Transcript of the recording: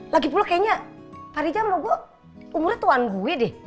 lagipula kayaknya pak riza mau gue umurnya tuan gue deh